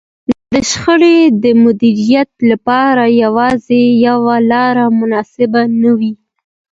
د شخړې د مديريت لپاره يوازې يوه لار مناسبه نه وي.